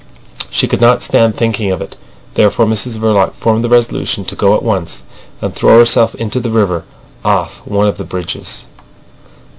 She could not stand thinking of it. Therefore Mrs Verloc formed the resolution to go at once and throw herself into the river off one of the bridges.